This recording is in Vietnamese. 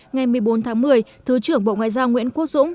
ngày một mươi bốn tháng một mươi thứ trưởng bộ ngoại giao nguyễn quốc dũng